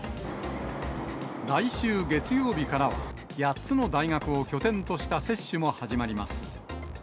来週月曜日からは、８つの大学を拠点とした接種も始まります。